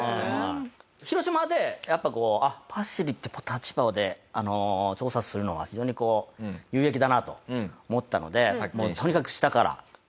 広島でやっぱこうパシリって立場で調査するのは非常に有益だなと思ったのでとにかく下から。